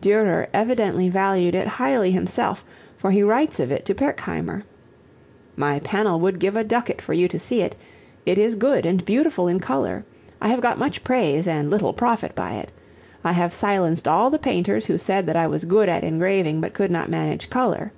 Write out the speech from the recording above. Durer evidently valued it highly himself for he writes of it to Pirkheimer, "My panel would give a ducat for you to see it; it is good and beautiful in color. I have got much praise and little profit by it. I have silenced all the painters who said that I was good at engraving but could not manage color.